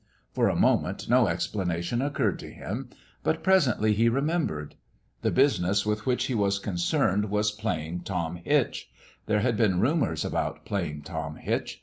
For a moment no explanation occurred to him ; but presently he remembered. The business with which he was concerned was Plain Tom Hitch. There had been rumours about Plain Tom Hitch.